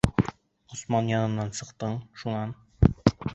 Ғосман янынан сыҡтың, шунан?